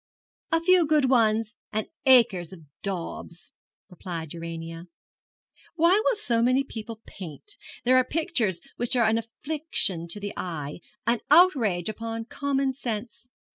'A few good ones and acres of daubs,' replied Urania. 'Why will so many people paint? There are pictures which are an affliction to the eye an outrage upon common sense.